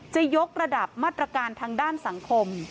จะยกระดับมาตรการทางด้านสังคม